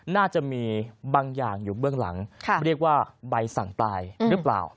น่าจะมีบางอย่างอยู่เบื้องหลังเรียกว่าใบสั่งตายหรือเปล่า